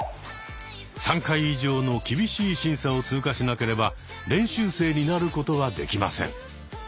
３回以上の厳しい審査を通過しなければ練習生になることはできません。